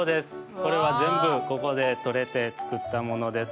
これはぜんぶここでとれてつくったものです。